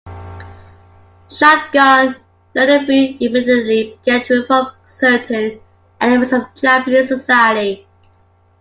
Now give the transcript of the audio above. Shogun Ienobu immediately began to reform certain elements of Japanese society.